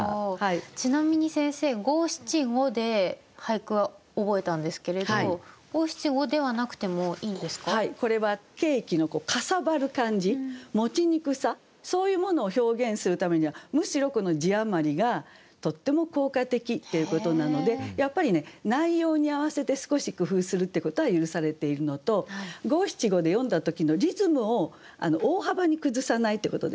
ちなみに先生五七五で俳句は覚えたんですけれど五七五ではなくてもいいんですか？これはケーキのかさばる感じ持ちにくさそういうものを表現するためにはむしろこの字余りがとっても効果的っていうことなのでやっぱりね内容に合わせて少し工夫するってことは許されているのと五七五で読んだ時のリズムを大幅に崩さないってことですね。